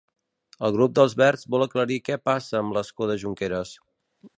El grup dels Verds vol aclarir què passa amb l'escó de Junqueras